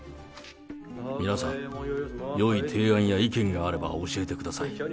皆さん、よい提案や意見があれば教えてください。